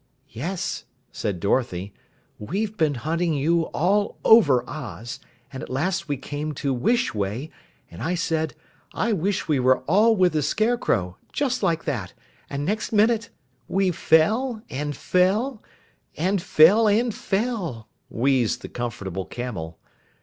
"Yes," said Dorothy, "we've been hunting you all over Oz, and at last we came to Wish Way, and I said 'I wish we were all with the Scarecrow,' just like that and next minute " "We fell and fell and fell and fell," wheezed the Comfortable Camel.